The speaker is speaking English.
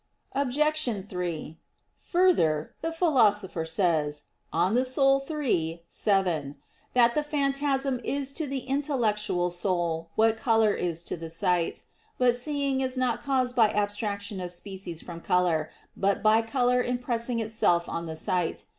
Obj. 3: Further, the Philosopher says (De Anima iii, 7) that the phantasm is to the intellectual soul what color is to the sight. But seeing is not caused by abstraction of species from color, but by color impressing itself on the sight.